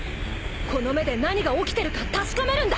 この目で何が起きてるか確かめるんだ！